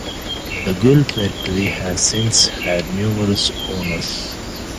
"The Guelph Mercury" has since had numerous owners.